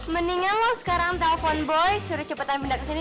mendingan lo sekarang telfon boy suruh cepetan pindah kesini